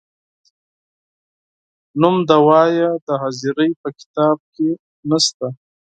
نوم دي ووایه د حاضرۍ په کتاب کې نه سته ،